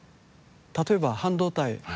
例えば半導体。